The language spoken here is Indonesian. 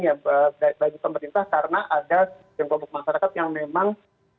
ya bagi pemerintah karena ada kelompok masyarakat yang memang